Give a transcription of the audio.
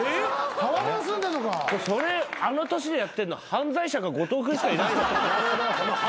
それあの年でやってんの犯罪者か後藤君しかいない。